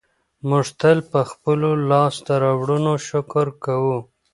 موږ تل په خپلو لاسته راوړنو شکر کوو.